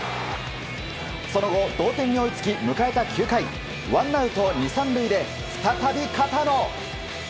その後、同点に追いつき迎えた９回ワンアウト２、３塁で再び片野。